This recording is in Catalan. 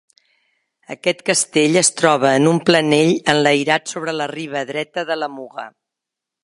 Aquest castell es troba en un planell enlairat sobre la riba dreta de la Muga.